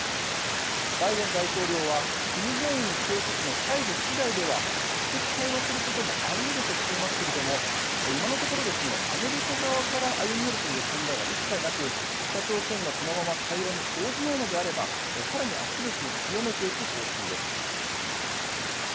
バイデン大統領は金正恩総書記の態度次第では直接対話することもあり得るとしていますが今のところアメリカ側から歩み寄るという考えは一切なく北朝鮮がこのまま対話に応じないのであれば更に圧力を強めていく方針です。